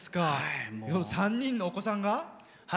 ３人のお子さんが今日は？